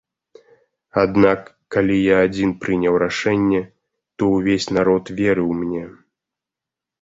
Аднак, калі я адзін прыняў рашэнне, то ўвесь народ верыў мне.